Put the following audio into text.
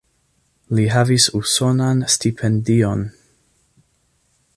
Li havis usonan stipendion.